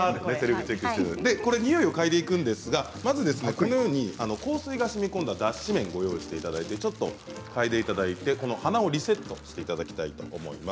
においを嗅いでいくんですがまず香水をしみこんだ脱脂綿を用意していただいて、嗅いでいただいて鼻をリセットしていただきたいと思います。